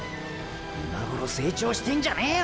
今頃成長してんじゃねえよ。